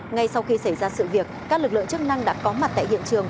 ngay sau khi xảy ra sự việc các lực lượng chức năng đã có mặt tại hiện trường